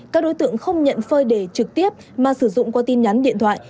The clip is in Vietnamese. các đối tượng không nhận phơi đề trực tiếp mà sử dụng qua tin nhắn điện thoại